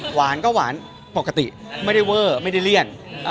หวานก็หวานปกติไม่ได้เวอร์ไม่ได้เลี่ยน